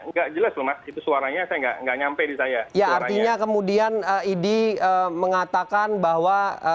enggak jelas lemas itu suaranya saya enggak nyampe di saya ya artinya kemudian id mengatakan bahwa